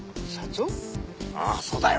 ああそうだよ！